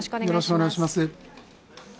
よろしくお願いします。